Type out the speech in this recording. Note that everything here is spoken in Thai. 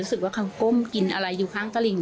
รู้สึกว่าเขาก้มกินอะไรอยู่ข้างตลิ่ง